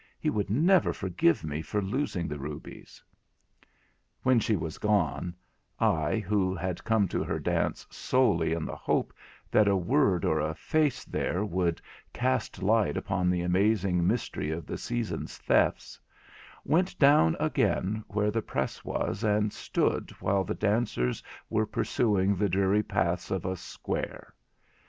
He would never forgive me for losing the rubies.' When she was gone, I, who had come to her dance solely in the hope that a word or a face there would cast light upon the amazing mystery of the season's thefts, went down again where the press was, and stood while the dancers were pursuing the dreary paths of a 'square'.